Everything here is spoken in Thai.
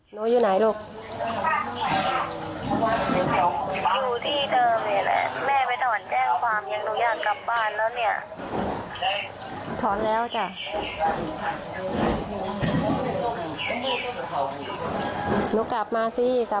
หนูอยู่จุดไหนละ